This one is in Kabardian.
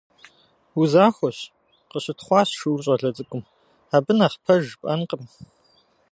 Узахуэщ,- къыщытхъуащ шур щӏалэ цӏыкӏум. - Абы нэхъ пэж жыпӏэнкъым.